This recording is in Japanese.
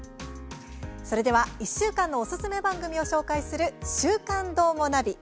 それでは１週間のおすすめ番組を紹介する「週刊どーもナビ」。